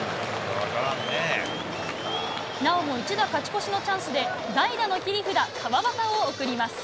なおも一打勝ち越しのチャンスで、代打の切り札、川端を送ります。